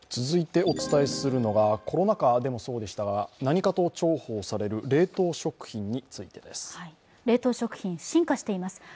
続いてお伝えするのがコロナ禍でもそうでしたが何かと重宝される冷凍食品についてです。